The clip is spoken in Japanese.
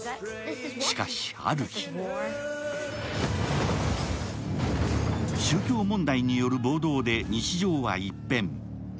しかし、ある日宗教問題による暴動で日常は一変。